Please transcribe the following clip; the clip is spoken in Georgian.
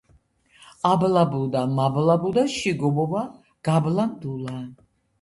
აბლაბუდა, მაბლაბუდა, შიგ ობობა გაბლანდულა.